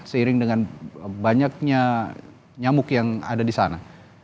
seiring dengan banyaknya nyamuk yang ada di sana